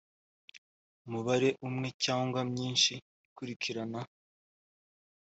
umubare umwe cyangwa myinshi ikurikirana